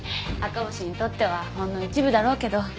赤星にとってはほんの一部だろうけど。